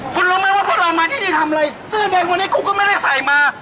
คุณรู้ไหมว่าพวกเรามายุติทำอะไรเสื้อแดงวันนี้กูก็ไม่ได้ใส่มา